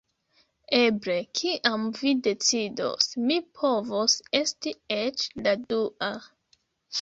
Eble kiam vi decidos, mi povos esti eĉ la dua